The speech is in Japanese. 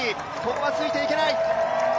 ここはついていけない。